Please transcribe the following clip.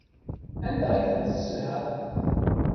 Anda ay ten-tesselhaḍ?